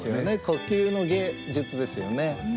呼吸の芸術ですよね。